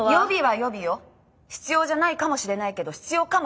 必要じゃないかもしれないけど必要かもしれない時のため。